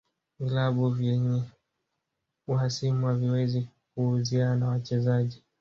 Vilabu vyenye uhasimu haviwezi kuuziana wachezaji